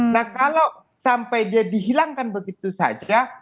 nah kalau sampai dia dihilangkan begitu saja